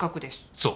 そう。